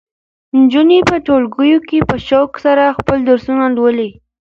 نجونې په ټولګیو کې په شوق سره خپل درسونه لولي.